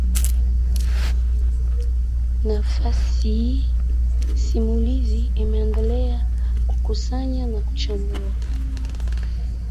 na fasihi simulizi Imeendelea kukusanya na kuchambua